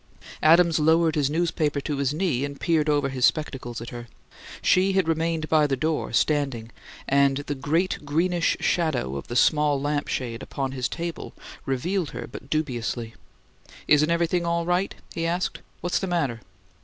Adams lowered his newspaper to his knee and peered over his spectacles at her. She had remained by the door, standing, and the great greenish shadow of the small lamp shade upon his table revealed her but dubiously. "Isn't everything all right?" he asked. "What's the matter?"